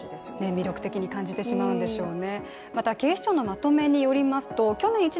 魅力的に感じてしまうんでしょうね。